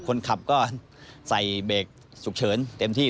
คนขับก็ใส่เบรกฉุกเฉินเต็มที่